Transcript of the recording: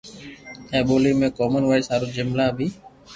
اي بوني ۾ ڪومن وائس ھارون جملا بي